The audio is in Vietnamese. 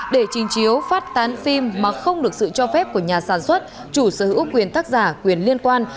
để trình chiếu phát tán phim mà không được sự cho phép của nhà sản xuất chủ sở hữu quyền tác giả quyền liên quan